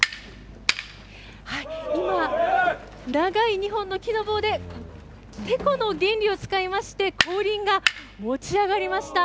今、長い２本の木の棒で、てこの原理を使いまして、後輪が持ち上がりました。